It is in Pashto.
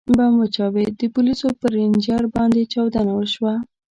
ـ بم وچاودېد، د پولیسو پر رینجر باندې چاودنه وشوه.